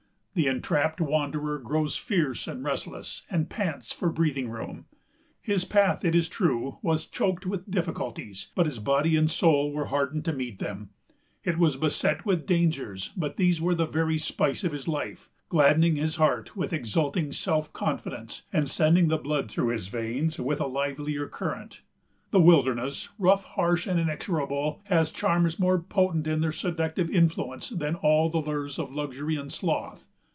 The entrapped wanderer grows fierce and restless, and pants for breathing room. His path, it is true, was choked with difficulties, but his body and soul were hardened to meet them; it was beset with dangers, but these were the very spice of his life, gladdening his heart with exulting self confidence, and sending the blood through his veins with a livelier current. The wilderness, rough, harsh, and inexorable, has charms more potent in their seductive influence than all the lures of luxury and sloth.